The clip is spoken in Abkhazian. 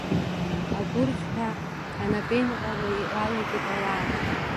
Агәырқьҳәа анапеинҟьара иалагеит ауаа.